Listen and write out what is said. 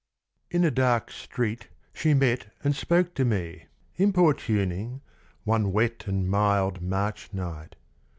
In a dark street she met and spoke to me, Importuning, one wet and mild March night.